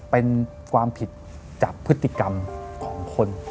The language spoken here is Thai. เป็นความผิดจากพฤติกรรมของคน